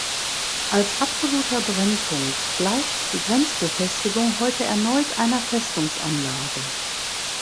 Als absoluter Brennpunkt gleicht die Grenzbefestigung heute erneut einer Festungsanlage.